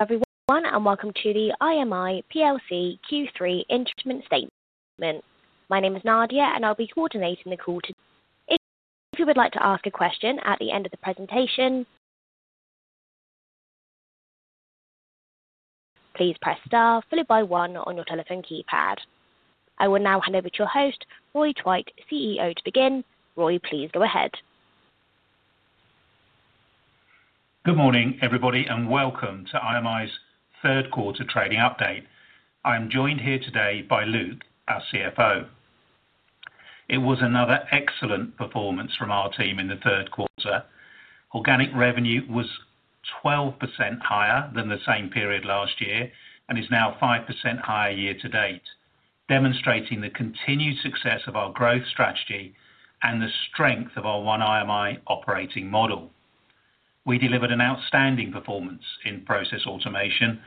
Everyone, and welcome to the IMI Q3 interim statement. My name is Nadia, and I'll be coordinating the call today. If you would like to ask a question at the end of the presentation, please press star followed by one on your telephone keypad. I will now hand over to your host, Roy Twite, CEO, to begin. Roy, please go ahead. Good morning, everybody, and welcome to IMI's third quarter trading update. I am joined here today by Luke, our CFO. It was another excellent performance from our team in the third quarter. Organic revenue was 12% higher than the same period last year and is now 5% higher year to date, demonstrating the continued success of our growth strategy and the strength of our One IMI operating model. We delivered an outstanding performance in Process Automation,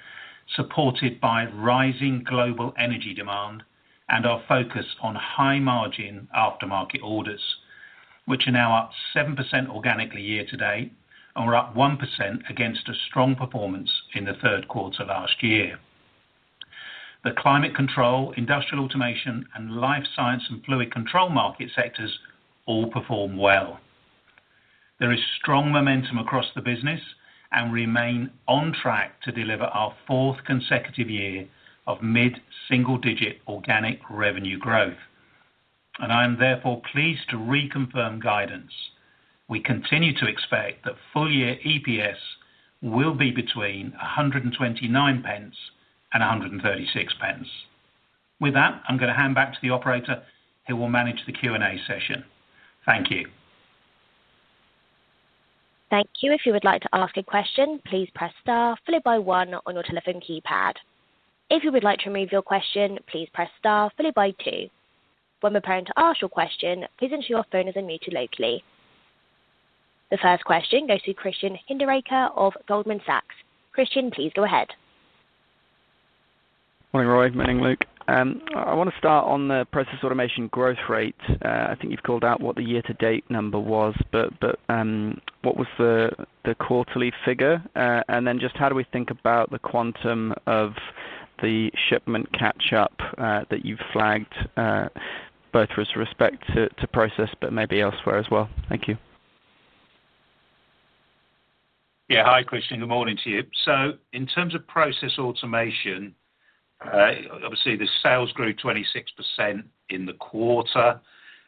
supported by rising global energy demand and our focus on high-margin aftermarket orders, which are now up 7% organically year to date and were up 1% against a strong performance in the third quarter last year. The Climate Control, Industrial Automation, and Life Science and Fluid Control market sectors all performed well. There is strong momentum across the business and we remain on track to deliver our fourth consecutive year of mid-single-digit organic revenue growth. I am therefore pleased to reconfirm guidance. We continue to expect that full-year EPS will be between 0.129 and 0.136. With that, I'm going to hand back to the operator who will manage the Q&A session. Thank you. Thank you. If you would like to ask a question, please press star followed by one on your telephone keypad. If you would like to remove your question, please press star followed by two. When preparing to ask your question, please ensure your phone is unmuted locally. The first question goes to Christian Hinderaker of Goldman Sachs. Christian, please go ahead. Morning, Roy. Morning, Luke. I want to start on the Process Automation growth rate. I think you've called out what the year-to-date number was, but what was the quarterly figure? Just how do we think about the quantum of the shipment catch-up that you've flagged, both with respect to process but maybe elsewhere as well? Thank you. Yeah. Hi, Christian. Good morning to you. In terms of Process Automation, obviously, the sales grew 26% in the quarter.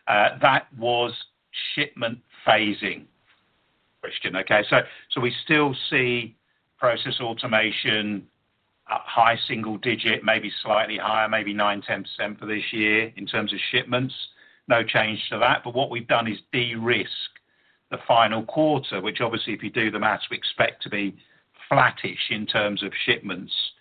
That was shipment phasing. Christian, okay? We still see Process Automation high single-digit, maybe slightly higher, maybe 9%-10% for this year in terms of shipments. No change to that. What we have done is de-risk the final quarter, which obviously, if you do the maths, we expect to be flattish in terms of shipments versus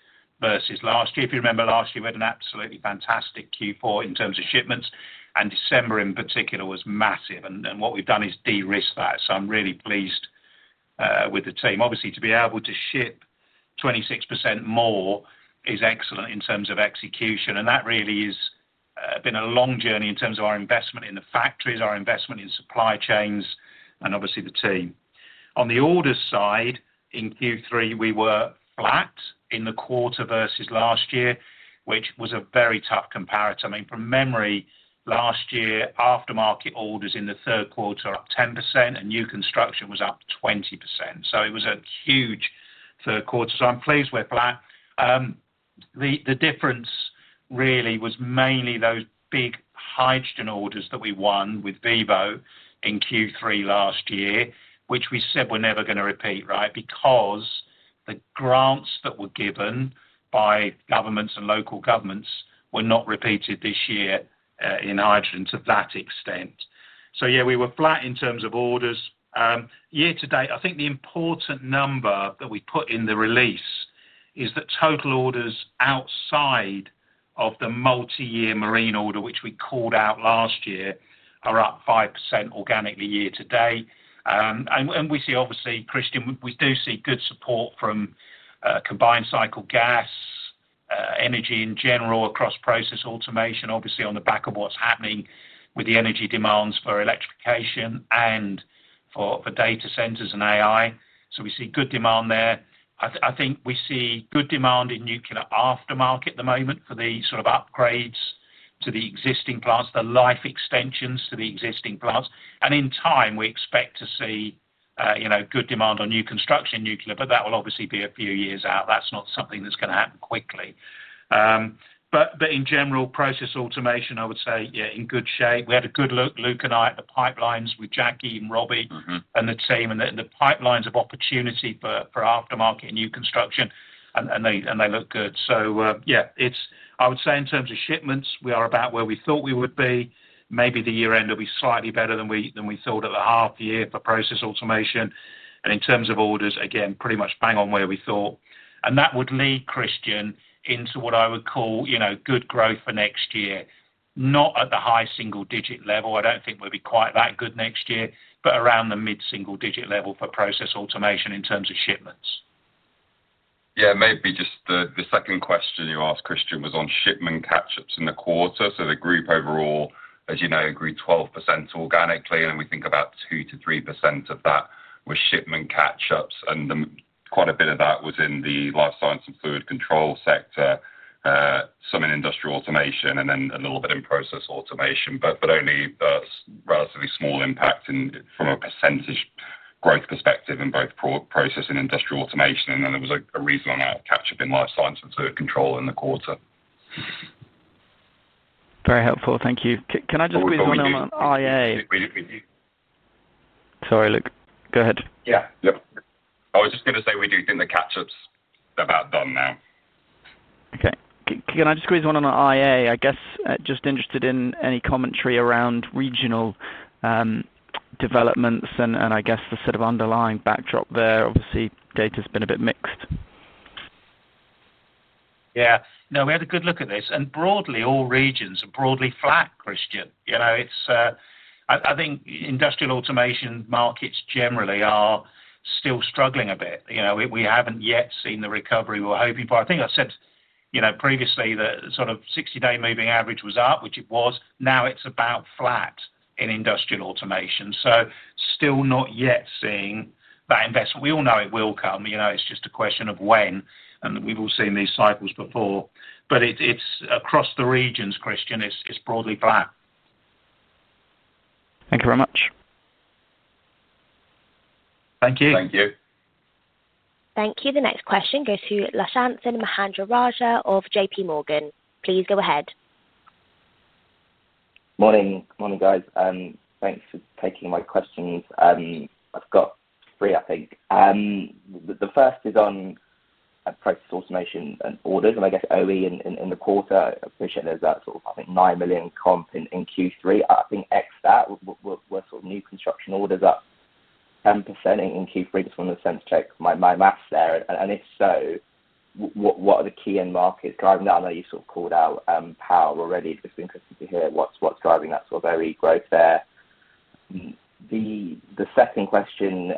last year. If you remember, last year, we had an absolutely fantastic Q4 in terms of shipments, and December in particular was massive. What we have done is de-risk that. I am really pleased with the team. Obviously, to be able to ship 26% more is excellent in terms of execution. That really has been a long journey in terms of our investment in the factories, our investment in supply chains, and obviously the team. On the order side, in Q3, we were flat in the quarter versus last year, which was a very tough comparison. I mean, from memory, last year, aftermarket orders in the third quarter were up 10%, and new construction was up 20%. It was a huge third quarter. I'm pleased we're flat. The difference really was mainly those big hydrogen orders that we won with Vivo in Q3 last year, which we said we're never going to repeat, right? Because the grants that were given by governments and local governments were not repeated this year in hydrogen to that extent. We were flat in terms of orders. Year to date, I think the important number that we put in the release is that total orders outside of the Multi-Year Marine Order, which we called out last year, are up 5% organically year to date. We see, obviously, Christian, we do see good support from combined cycle gas. Energy in general across Process Automation, obviously on the back of what is happening with the energy demands for electrification and for data centers and AI. We see good demand there. I think we see good demand in nuclear aftermarket at the moment for the sort of upgrades to the existing plants, the life extensions to the existing plants. In time, we expect to see good demand on new construction in nuclear, but that will obviously be a few years out. That is not something that is going to happen quickly. In general, Process Automation, I would say, yeah, in good shape. We had a good look, Luke and I, at the pipelines with Jackie and Robbie and the team, and the pipelines of opportunity for aftermarket and new construction, and they look good. Yeah, I would say in terms of shipments, we are about where we thought we would be. Maybe the year-end will be slightly better than we thought at the half-year for Process Automation. In terms of orders, again, pretty much bang on where we thought. That would lead, Christian, into what I would call good growth for next year, not at the high single-digit level. I do not think we will be quite that good next year, but around the mid-single-digit level for Process Automation in terms of shipments. Yeah. Maybe just the second question you asked, Christian, was on shipment catch-ups in the quarter. The group overall, as you know, grew 12% organically, and we think about 2%-3% of that was shipment catch-ups. Quite a bit of that was in the Life Science and Fluid Control sector, some in Industrial Automation, and then a little bit in Process Automation, but only a relatively small impact from a percentage growth perspective in both process and Industrial Automation. There was a reasonable amount of catch-up in Life Science and Fluid Control in the quarter. Very helpful. Thank you. Can I just squeeze one on IA? Sorry, Luke. Go ahead. Yeah. I was just going to say we do think the catch-up's about done now. Okay. Can I just squeeze one on IA? I guess just interested in any commentary around regional developments and I guess the sort of underlying backdrop there. Obviously, data's been a bit mixed. Yeah. No, we had a good look at this. And broadly, all regions are broadly flat, Christian. I think Industrial Automation markets generally are still struggling a bit. We have not yet seen the recovery we are hoping for. I think I said previously that sort of 60-day moving average was up, which it was. Now it is about flat in Industrial Automation. So still not yet seeing that investment. We all know it will come. It is just a question of when. And we have all seen these cycles before. But across the regions, Christian, it is broadly flat. Thank you very much. Thank you. Thank you. Thank you. The next question goes to Lashanthan Mahendrarajah of JPMorgan. Please go ahead. Morning. Morning, guys. Thanks for taking my questions. I've got three, I think. The first is on Process Automation and orders. And I guess OE in the quarter, I appreciate there's that sort of, I think, 9 million comp in Q3. I think excluding that, were sort of new construction orders up 10% in Q3, just wanted to sense-check my maths there. And if so, what are the key end markets driving that? I know you sort of called out power already, just interested to hear what's driving that sort of OE growth there. The second question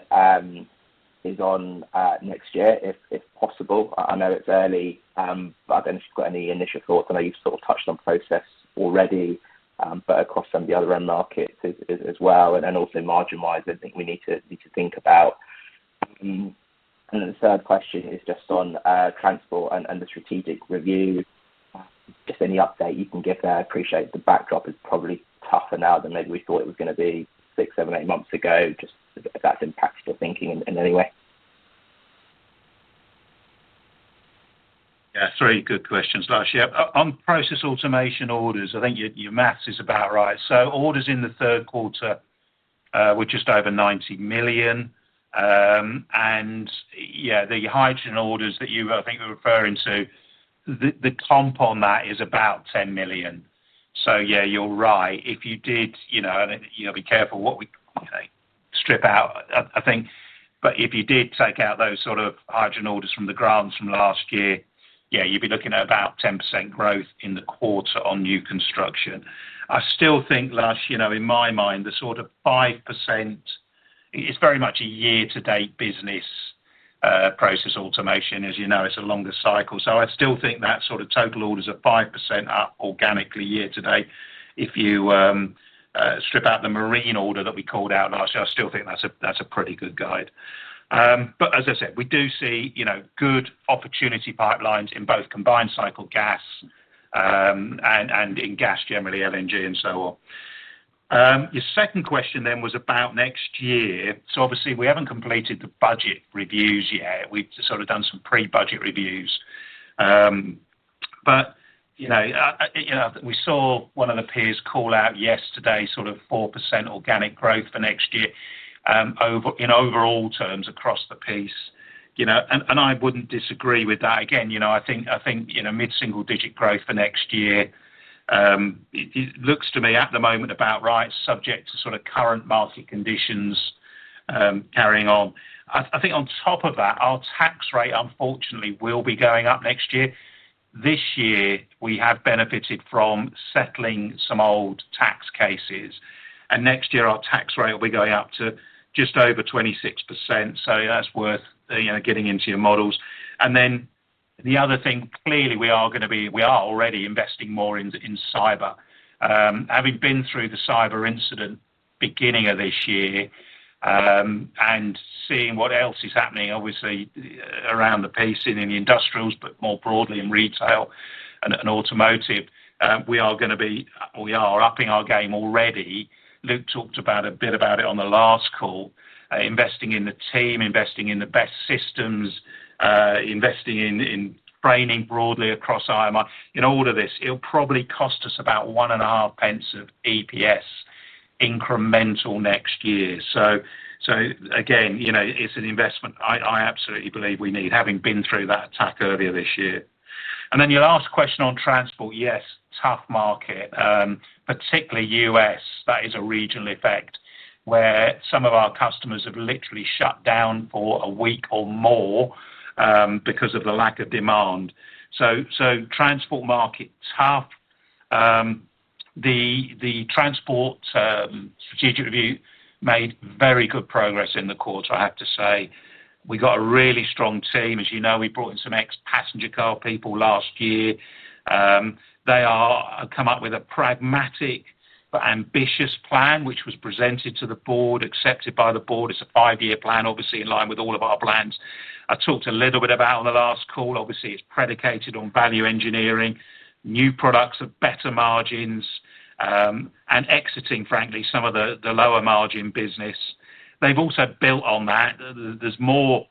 is on next year, if possible. I know it's early, but I don't know if you've got any initial thoughts. I know you've sort of touched on process already, but across some of the other end markets as well. And then also margin-wise, I think we need to think about. The third question is just on Transport and the strategic review. Just any update you can give there. I appreciate the backdrop is probably tougher now than maybe we thought it was going to be six, seven, eight months ago. Just if that's impacted your thinking in any way. Yeah. Three good questions, Lushan. Yeah. On Process Automation orders, I think your maths is about right. Orders in the third quarter were just over 90 million. Yeah, the hydrogen orders that you, I think you're referring to, the comp on that is about 10 million. Yeah, you're right. If you did, and you'll be careful what we strip out, I think, but if you did take out those sort of hydrogen orders from the grounds from last year, yeah, you'd be looking at about 10% growth in the quarter on new construction. I still think, Lushan, in my mind, the sort of 5%. It's very much a year-to-date business. Process automation, as you know, it's a longer cycle. I still think that sort of total orders are 5% up organically year to date. If you. Strip out the marine order that we called out last year, I still think that's a pretty good guide. As I said, we do see good opportunity pipelines in both combined cycle gas and in gas generally, LNG, and so on. Your second question then was about next year. Obviously, we have not completed the budget reviews yet. We have sort of done some pre-budget reviews. We saw one of the peers call out yesterday sort of 4% organic growth for next year in overall terms across the piece. I would not disagree with that. Again, I think mid-single-digit growth for next year looks to me at the moment about right, subject to sort of current market conditions carrying on. I think on top of that, our tax rate, unfortunately, will be going up next year. This year, we have benefited from settling some old tax cases. Next year, our tax rate will be going up to just over 26%. That is worth getting into your models. The other thing, clearly, we are already investing more in cyber. Having been through the cyber incident at the beginning of this year and seeing what else is happening, obviously, around the piece in the industrials, but more broadly in retail and automotive, we are upping our game already. Luke talked a bit about it on the last call, investing in the team, investing in the best systems, investing in training broadly across IMI. In all of this, it will probably cost us about 0.015 of EPS incremental next year. Again, it is an investment I absolutely believe we need, having been through that attack earlier this year. Your last question on Transport, yes, tough market. Particularly U.S., that is a regional effect where some of our customers have literally shut down for a week or more because of the lack of demand. Transport market tough. The Transport strategic review made very good progress in the quarter, I have to say. We got a really strong team. As you know, we brought in some ex-passenger car people last year. They have come up with a pragmatic but ambitious plan, which was presented to the board, accepted by the board. It is a five-year plan, obviously in line with all of our plans. I talked a little bit about on the last call. Obviously, it is predicated on value engineering, new products of better margins, and exiting, frankly, some of the lower margin business. They have also built on that. There's more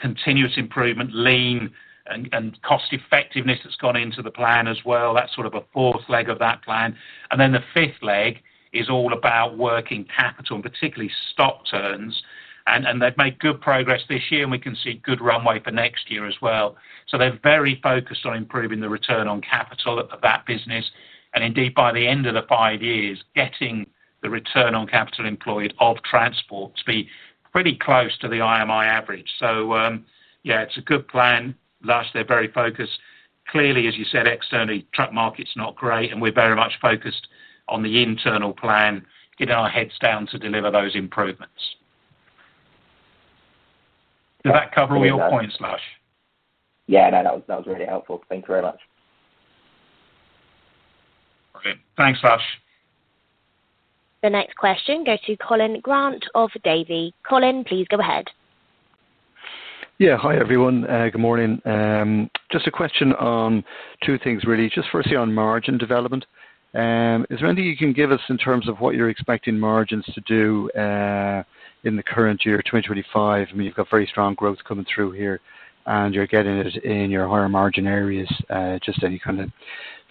continuous improvement, lean, and cost-effectiveness that's gone into the plan as well. That's sort of a fourth leg of that plan. The fifth leg is all about working capital and particularly stock turns. They've made good progress this year, and we can see good runway for next year as well. They're very focused on improving the return on capital of that business. Indeed, by the end of the five years, getting the return on capital employed of Transport to be pretty close to the IMI average. Yeah, it's a good plan. Last year, very focused. Clearly, as you said, externally, truck market's not great, and we're very much focused on the internal plan, getting our heads down to deliver those improvements. Does that cover all your points, Lushan? Yeah. No, that was really helpful. Thank you very much. Brilliant. Thanks, Lushan. The next question goes to Colin Grant of Davy. Colin, please go ahead. Yeah. Hi, everyone. Good morning. Just a question on two things, really. Just firstly on margin development. Is there anything you can give us in terms of what you're expecting margins to do in the current year, 2025? I mean, you've got very strong growth coming through here, and you're getting it in your higher margin areas. Just any kind of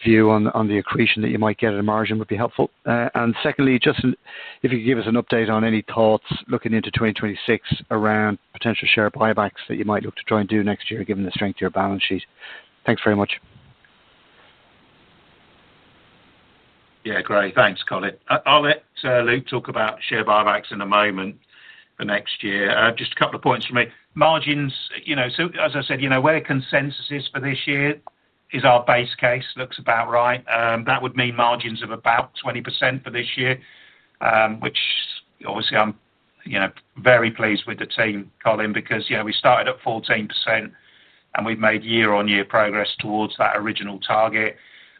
view on the accretion that you might get at a margin would be helpful. Secondly, just if you could give us an update on any thoughts looking into 2026 around potential share buybacks that you might look to try and do next year, given the strength of your balance sheet. Thanks very much. Yeah. Great. Thanks, Colin. I'll let Luke talk about share buybacks in a moment for next year. Just a couple of points for me. Margins, as I said, where consensus is for this year is our base case, looks about right. That would mean margins of about 20% for this year, which obviously I'm very pleased with the team, Colin, because we started at 14%, and we've made year-on-year progress towards that original target.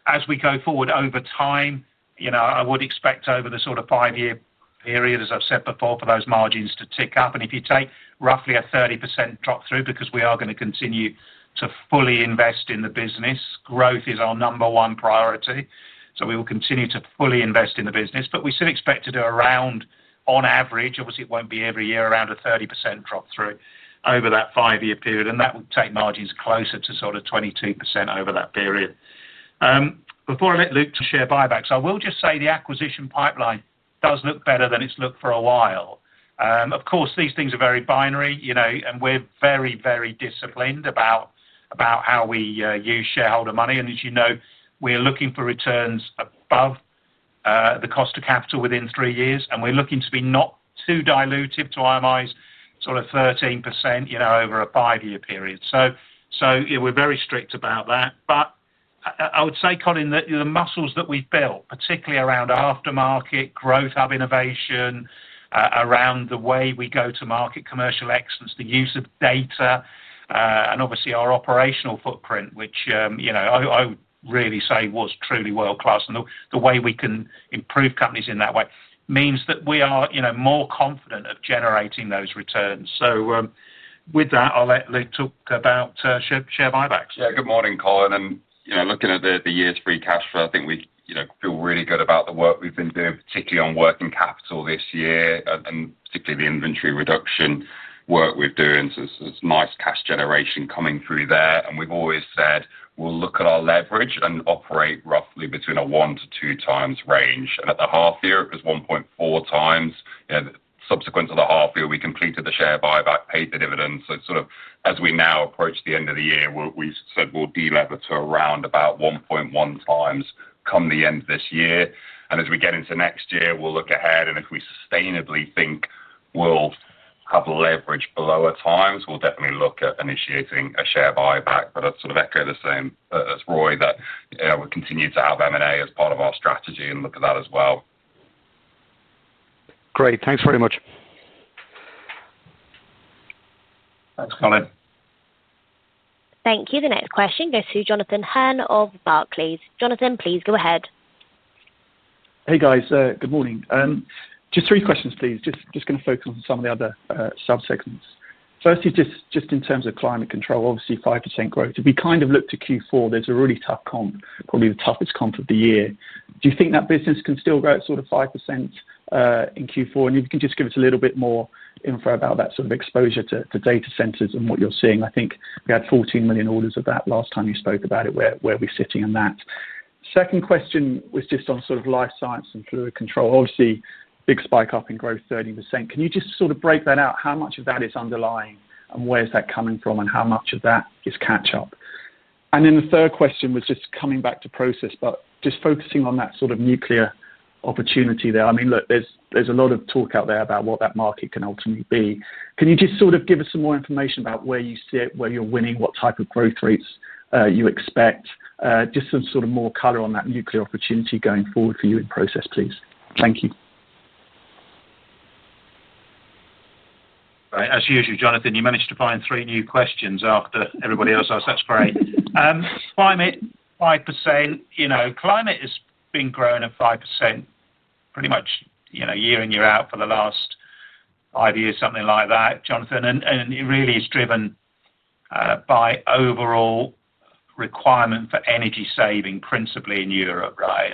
As we go forward over time, I would expect over the sort of five-year period, as I've said before, for those margins to tick up. If you take roughly a 30% drop through, because we are going to continue to fully invest in the business, growth is our number one priority. We will continue to fully invest in the business. We still expect to do around, on average, obviously, it will not be every year, around a 30% drop through over that five-year period. That will take margins closer to sort of 22% over that period. Before I let Luke share buybacks, I will just say the acquisition pipeline does look better than it has looked for a while. Of course, these things are very binary, and we are very, very disciplined about how we use shareholder money. As you know, we are looking for returns above the cost of capital within three years. We are looking to be not too diluted to IMI's sort of 13% over a five-year period. We are very strict about that. I would say, Colin, that the muscles that we have built, particularly around aftermarket growth, have innovation. Around the way we go to market, commercial excellence, the use of data, and obviously our operational footprint, which I would really say was truly world-class. The way we can improve companies in that way means that we are more confident of generating those returns. With that, I'll let Luke talk about share buybacks. Yeah. Good morning, Colin. Looking at the year-three cash flow, I think we feel really good about the work we've been doing, particularly on working capital this year, and particularly the inventory reduction work we're doing. There is nice cash generation coming through there. We have always said we'll look at our leverage and operate roughly between a 1x-2x range. At the half-year, it was 1.4x Subsequent to the half-year, we completed the share buyback, paid the dividends. As we now approach the end of the year, we said we'll deleverage to around 1.1x come the end of this year. As we get into next year, we'll look ahead. If we sustainably think we'll have leverage below our times, we'll definitely look at initiating a share buyback. I'd sort of echo the same as Roy, that we continue to have M&A as part of our strategy and look at that as well. Great. Thanks very much. Thanks, Colin. Thank you. The next question goes to Jonathan Hern of Barclays. Jonathan, please go ahead. Hey, guys. Good morning. Just three questions, please. Just going to focus on some of the other subsections. First is just in terms of Climate Control, obviously 5% growth. If we kind of look to Q4, there is a really tough comp, probably the toughest comp of the year. Do you think that business can still grow at sort of 5% in Q4? If you can just give us a little bit more info about that sort of exposure to data centers and what you are seeing. I think we had 14 million orders of that last time you spoke about it. Where are we sitting on that? Second question was just on sort of Life Science and Fluid Control. Obviously, big spike up in growth, 30%. Can you just sort of break that out? How much of that is underlying and where is that coming from, and how much of that is catch-up? The third question was just coming back to process, but just focusing on that sort of nuclear opportunity there. I mean, look, there is a lot of talk out there about what that market can ultimately be. Can you just sort of give us some more information about where you see it, where you are winning, what type of growth rates you expect? Just some sort of more color on that nuclear opportunity going forward for you in process, please. Thank you. As usual, Jonathan, you managed to find three new questions after everybody else. That's great. Climate 5%. Climate has been growing at 5% pretty much year in, year out for the last five years, something like that, Jonathan. It really is driven by overall requirement for energy saving principally in Europe, right?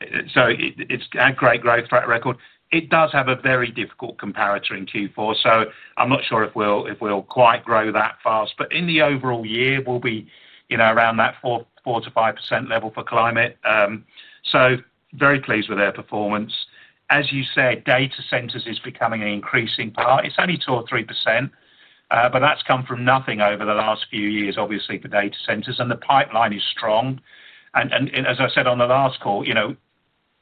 It has had great growth track record. It does have a very difficult comparator in Q4. I'm not sure if we'll quite grow that fast. In the overall year, we'll be around that 4%-5% level for climate. Very pleased with their performance. As you said, data centers is becoming an increasing part. It's only 2%-3%. That's come from nothing over the last few years, obviously, for data centers. The pipeline is strong. As I said on the last call,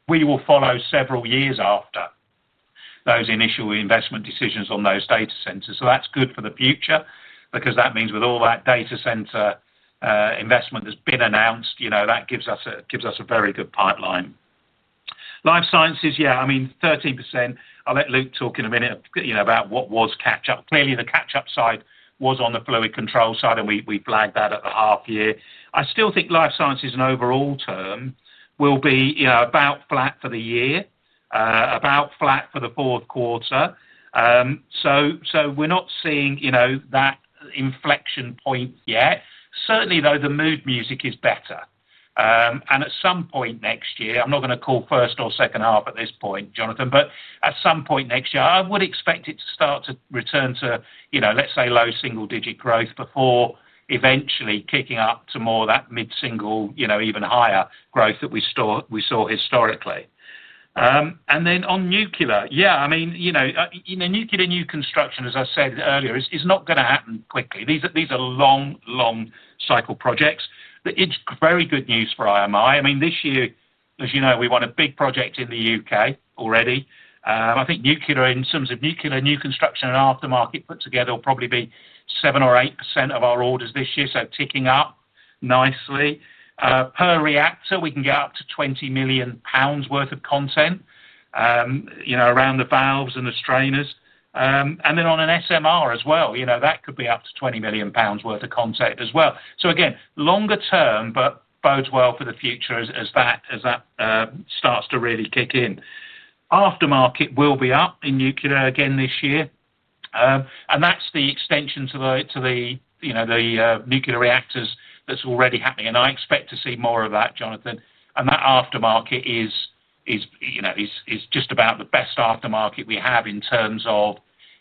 we will follow several years after. Those initial investment decisions on those data centers. That is good for the future because that means with all that data center investment that has been announced, that gives us a very good pipeline. Life sciences, yeah. I mean, 13%. I'll let Luke talk in a minute about what was catch-up. Clearly, the catch-up side was on the fluid control side, and we flagged that at the half-year. I still think life sciences in overall term will be about flat for the year, about flat for the fourth quarter. We are not seeing that inflection point yet. Certainly, though, the mood music is better. At some point next year, I'm not going to call first or second half at this point, Jonathan, but at some point next year, I would expect it to start to return to, let's say, low single-digit growth before eventually kicking up to more of that mid-single, even higher growth that we saw historically. On nuclear, yeah. I mean, nuclear new construction, as I said earlier, is not going to happen quickly. These are long, long-cycle projects. It's very good news for IMI. I mean, this year, as you know, we won a big project in the U.K. already. I think nuclear, in terms of nuclear new construction and aftermarket put together, will probably be 7% or 8% of our orders this year, so ticking up nicely. Per reactor, we can get up to 20 million pounds worth of content around the valves and the strainers. On an SMR as well, that could be up to 20 million pounds worth of content as well. Again, longer term, but bodes well for the future as that starts to really kick in. Aftermarket will be up in nuclear again this year, and that's the extension to the nuclear reactors that's already happening. I expect to see more of that, Jonathan. That aftermarket is just about the best aftermarket we have in terms of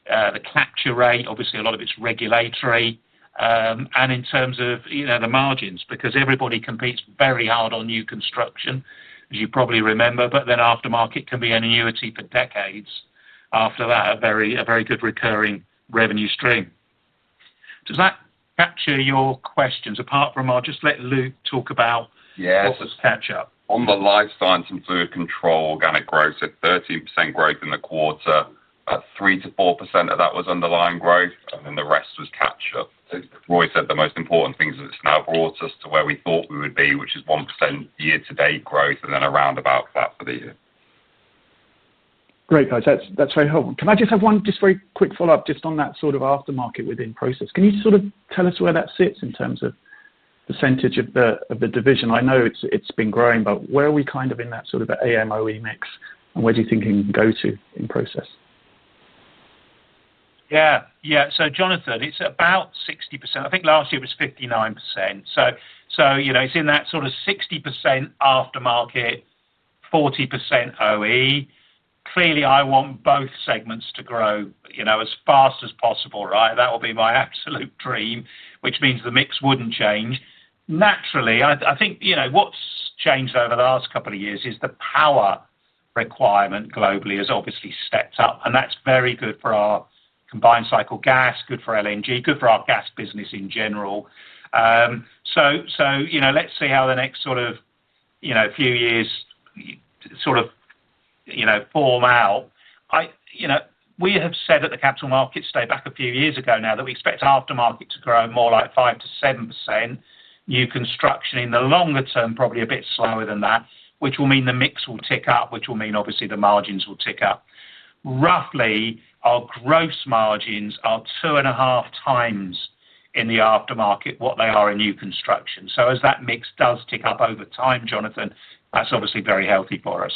the capture rate. Obviously, a lot of it's regulatory, and in terms of the margins, because everybody competes very hard on new construction, as you probably remember, but then aftermarket can be an annuity for decades after that, a very good recurring revenue stream. Does that capture your questions? Apart from, I'll just let Luke talk about. Yes. What was catch-up? On the Life Science and Fluid Control, organic growth at 13% growth in the quarter, 3%-4% of that was underlying growth, and then the rest was catch-up. As Roy said, the most important thing is it's now brought us to where we thought we would be, which is 1% year-to-date growth and then around about flat for the year. Great, guys. That's very helpful. Can I just have one just very quick follow-up just on that sort of aftermarket within process? Can you sort of tell us where that sits in terms of percentage of the division? I know it's been growing, but where are we kind of in that sort of OEM mix? And where do you think you can go to in process? Yeah. Yeah. So Jonathan, it's about 60%. I think last year it was 59%. So it's in that sort of 60% aftermarket, 40% OE. Clearly, I want both segments to grow as fast as possible, right? That will be my absolute dream, which means the mix wouldn't change. Naturally, I think what's changed over the last couple of years is the power requirement globally has obviously stepped up. And that's very good for our combined cycle gas, good for LNG, good for our gas business in general. Let's see how the next sort of few years sort of form out. We have said at the capital markets day back a few years ago now that we expect aftermarket to grow more like 5%-7%. New construction in the longer term probably a bit slower than that, which will mean the mix will tick up, which will mean obviously the margins will tick up. Roughly, our gross margins are two and a half times in the aftermarket what they are in new construction. So as that mix does tick up over time, Jonathan, that's obviously very healthy for us.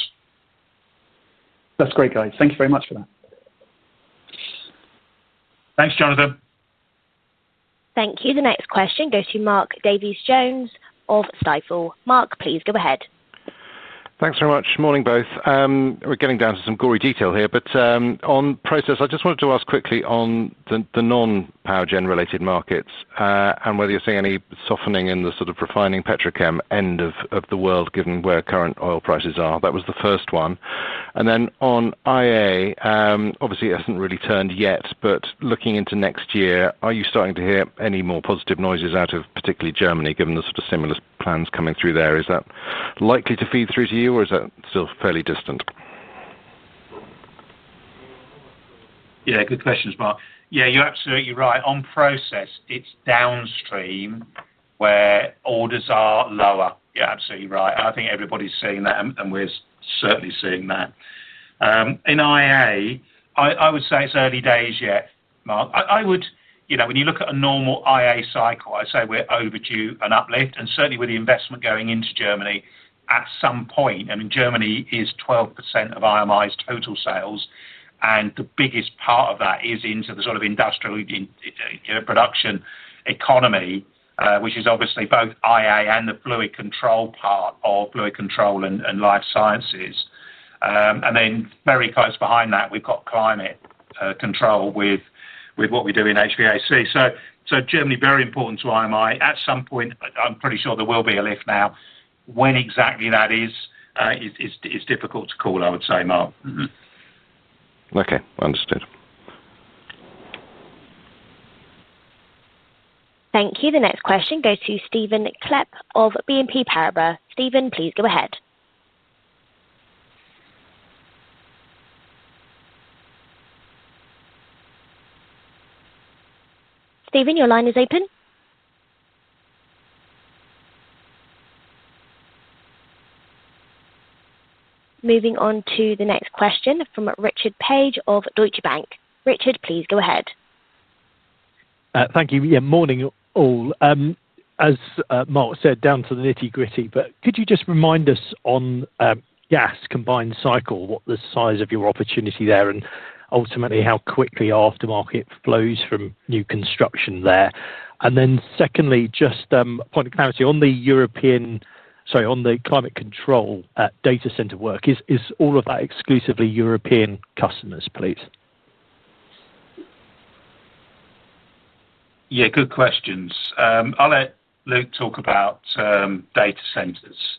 That's great, guys. Thank you very much for that. Thanks, Jonathan. Thank you. The next question goes to Mark Davies-Jones of Stifel. Mark, please go ahead. Thanks very much. Morning, both. We're getting down to some gory detail here. On process, I just wanted to ask quickly on the non-power gen related markets and whether you're seeing any softening in the sort of refining petrochem end of the world, given where current oil prices are. That was the first one. On IA, obviously it hasn't really turned yet, but looking into next year, are you starting to hear any more positive noises out of particularly Germany, given the sort of stimulus plans coming through there? Is that likely to feed through to you, or is that still fairly distant? Yeah. Good question, Mark. Yeah, you're absolutely right. On process, it's downstream where orders are lower. Yeah, absolutely right. I think everybody's seeing that, and we're certainly seeing that. In IA, I would say it's early days yet, Mark. When you look at a normal IA cycle, I'd say we're overdue an uplift. I mean, certainly with the investment going into Germany at some point, I mean, Germany is 12% of IMI's total sales. The biggest part of that is into the sort of industrial production economy, which is obviously both IA and the fluid control part of fluid control and life sciences. Very close behind that, we've got Climate Control with what we do in HVAC. Germany is very important to IMI. At some point, I'm pretty sure there will be a lift. Now, when exactly that is, is difficult to call, I would say, Mark. Okay. Understood. Thank you. The next question goes to Stephan Klepp of BNP Paribas. Stephan, please go ahead. Stephan, your line is open. Moving on to the next question from Richard Page of Deutsche Bank. Richard, please go ahead. Thank you. Yeah, morning, all. As Mark said, down to the nitty-gritty, but could you just remind us on gas combined cycle, what the size of your opportunity there, and ultimately how quickly aftermarket flows from new construction there? And then secondly, just a point of clarity on the European, sorry, on the Climate Control data center work, is all of that exclusively European customers, please? Yeah, good questions. I'll let Luke talk about data centers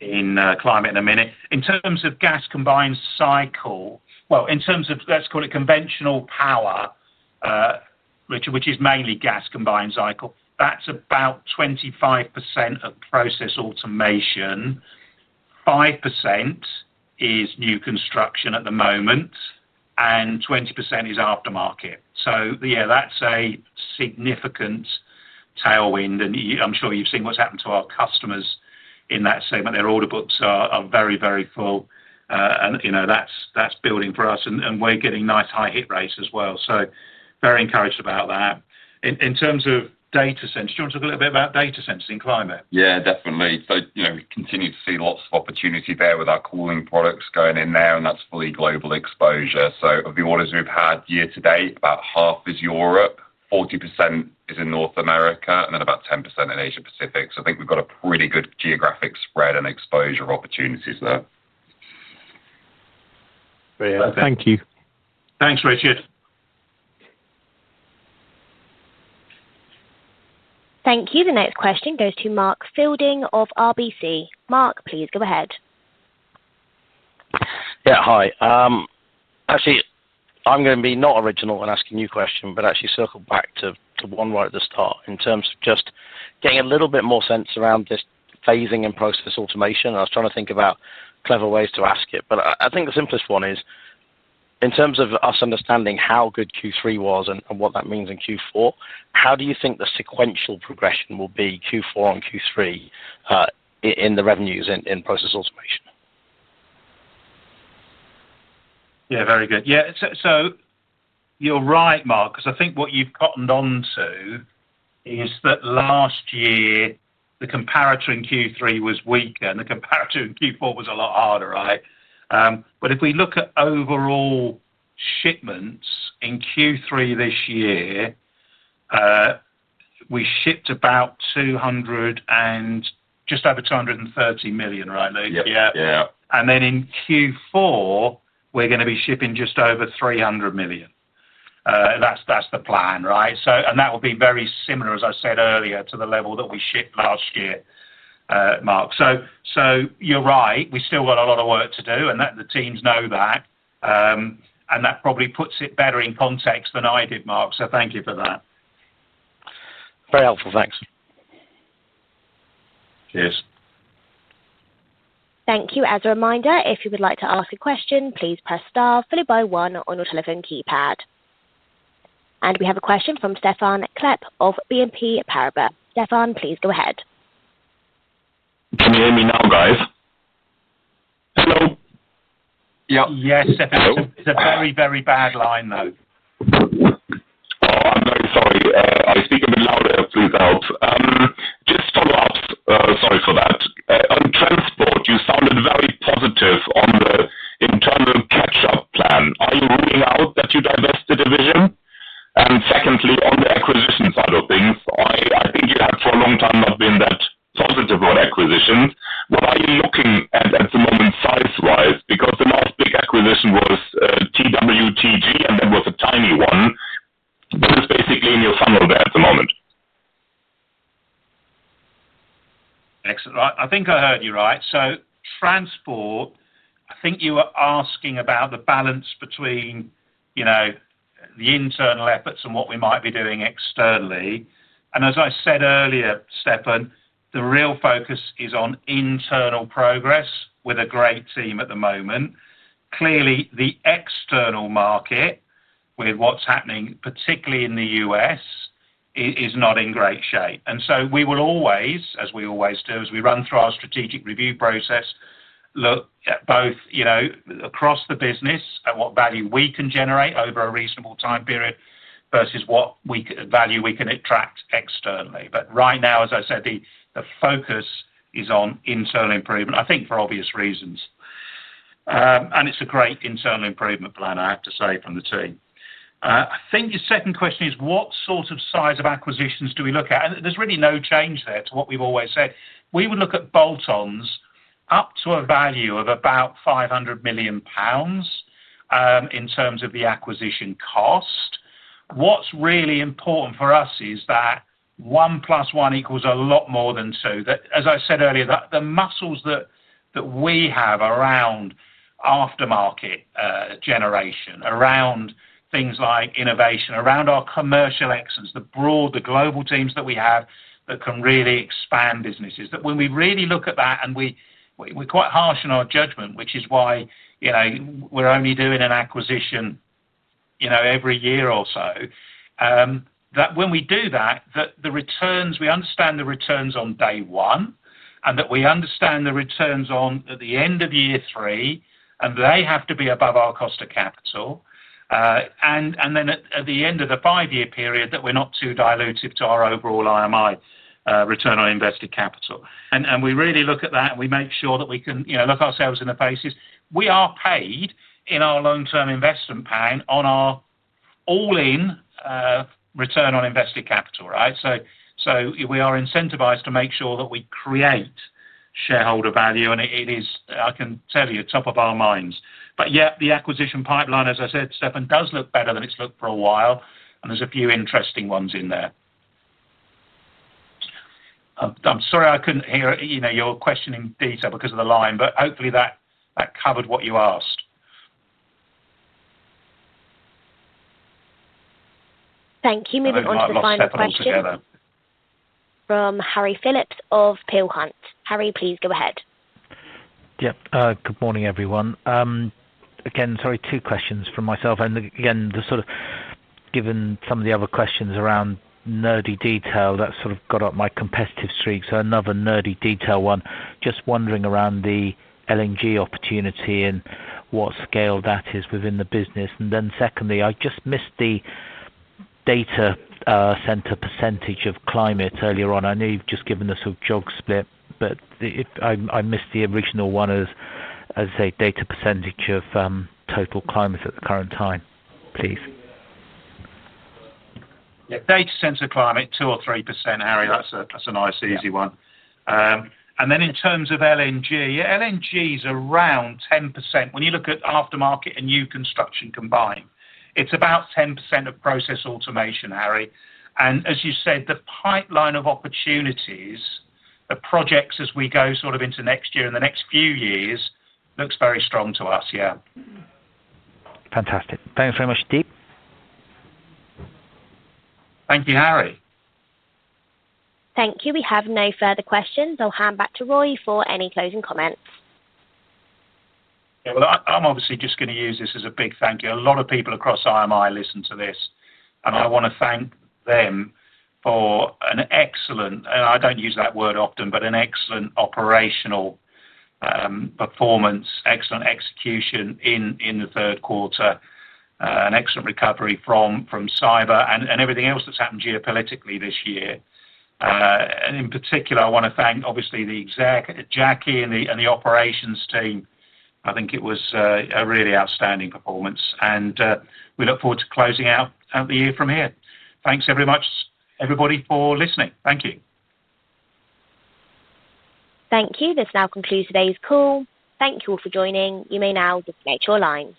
in climate in a minute. In terms of gas combined cycle, well, in terms of, let's call it conventional power, which is mainly gas combined cycle, that's about 25% of Process Automation. 5% is new construction at the moment, and 20% is aftermarket. Yeah, that's a significant tailwind. I'm sure you've seen what's happened to our customers in that segment. Their order books are very, very full. That's building for us, and we're getting nice high hit rates as well. Very encouraged about that. In terms of data centers, do you want to talk a little bit about data centers in climate? Yeah, definitely. We continue to see lots of opportunity there with our cooling products going in there, and that's fully global exposure. Of the orders we've had year to date, about half is Europe, 40% is in North America, and then about 10% in Asia=Pacific. I think we've got a pretty good geographic spread and exposure of opportunities there. Thank you. Thanks, Richard. Thank you. The next question goes to Mark Fielding of RBC. Mark, please go ahead. Yeah, hi. Actually, I'm going to be not original and ask a new question, but actually circle back to one right at the start in terms of just getting a little bit more sense around this phasing in Process Automation. I was trying to think about clever ways to ask it. I think the simplest one is, in terms of us understanding how good Q3 was and what that means in Q4, how do you think the sequential progression will be Q4 and Q3 in the revenues in Process Automation? Yeah, very good. Yeah. You're right, Mark, because I think what you've cottoned onto is that last year the comparator in Q3 was weaker, and the comparator in Q4 was a lot harder, right? If we look at overall shipments in Q3 this year, we shipped about just over $230 million, right, Luke? Yeah. In Q4, we are going to be shipping just over $300 million. That is the plan, right? That will be very similar, as I said earlier, to the level that we shipped last year, Mark. You are right. We still have a lot of work to do, and the teams know that. That probably puts it better in context than I did, Mark. Thank you for that. Very helpful. Thanks. Cheers. Thank you. As a reminder, if you would like to ask a question, please press star followed by one on your telephone keypad. We have a question from Stephan Klepp of BNP Paribas. Stephan, please go ahead. Can you hear me now, guys? Hello? Yes. It's a very, very bad line, though. Oh, I'm very sorry. I'll speak a bit louder through the help. Just follow-ups, sorry for that. On Transport, you sounded very positive on the internal catch-up plan. Are you ruling out that you divest the division? Secondly, on the acquisition side of things, I think you have for a long time not been that positive on acquisitions. What are you looking at at the moment size-wise? Because the last big acquisition was TWTG, and that was a tiny one. What is basically in your funnel there at the moment? Excellent. I think I heard you right. Transport, I think you were asking about the balance between the internal efforts and what we might be doing externally. As I said earlier, Stephan, the real focus is on internal progress with a great team at the moment. Clearly, the external market, with what's happening, particularly in the U.S., is not in great shape. We will always, as we always do as we run through our strategic review process, look at both across the business at what value we can generate over a reasonable time period versus what value we can attract externally. Right now, as I said, the focus is on internal improvement, I think for obvious reasons. It is a great internal improvement plan, I have to say, from the team. I think your second question is, what sort of size of acquisitions do we look at? There is really no change there to what we have always said. We would look at bolt-ons up to a value of about 500 million pounds in terms of the acquisition cost. What is really important for us is that one plus one equals a lot more than two. As I said earlier, the muscles that we have around aftermarket generation, around things like innovation, around our commercial excellence, the broad, the global teams that we have that can really expand businesses, that when we really look at that, and we are quite harsh in our judgment, which is why we are only doing an acquisition every year or so. That when we do that, that the returns, we understand the returns on day one, and that we understand the returns at the end of year three, and they have to be above our cost of capital. At the end of the five-year period, that we're not too diluted to our overall IMI return on invested capital. We really look at that, and we make sure that we can look ourselves in the faces. We are paid in our long-term investment plan on our all-in return on invested capital, right? We are incentivized to make sure that we create shareholder value. It is, I can tell you, top of our minds. The acquisition pipeline, as I said, Stephan, does look better than it's looked for a while. There's a few interesting ones in there. I'm sorry I couldn't hear your question in detail because of the line, but hopefully that covered what you asked. Thank you. Moving on to the final question. From Harry Phillips of Peel Hunt. Harry, please go ahead. Yeah. Good morning, everyone. Again, sorry, two questions for myself. And again, sort of given some of the other questions around nerdy detail, that sort of got up my competitive streak. So another nerdy detail one. Just wondering around the LNG opportunity and what scale that is within the business. Then secondly, I just missed the data center percentage of climate earlier on. I know you've just given us a job split, but I missed the original one as I say data percentage of total climate at the current time, please. Yeah. Data center climate, 2-3%, Harry. That's a nice, easy one. In terms of LNG, LNG is around 10%. When you look at aftermarket and new construction combined, it's about 10% of Process Automation, Harry. As you said, the pipeline of opportunities, the projects as we go sort of into next year and the next few years looks very strong to us, yeah. Fantastic. Thanks very much Twite. Thank you, Harry. Thank you. We have no further questions. I'll hand back to Roy for any closing comments. Yeah. I am obviously just going to use this as a big thank you. A lot of people across IMI listen to this. I want to thank them for an excellent—and I do not use that word often—but an excellent operational performance, excellent execution in the third quarter, an excellent recovery from cyber and everything else that has happened geopolitically this year. In particular, I want to thank, obviously, the execs, Jackie and the operations team. I think it was a really outstanding performance. We look forward to closing out the year from here. Thanks very much, everybody, for listening. Thank you. Thank you. This now concludes today's call. Thank you all for joining. You may now disconnect your lines.